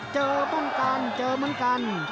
เจอเหมือนกันเจอเหมือนกัน